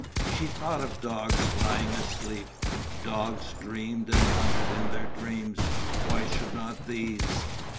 She thought of dogs lying asleep; dogs dreamed and hunted in their dreams, why should not these?